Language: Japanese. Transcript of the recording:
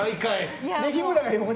日村が横で。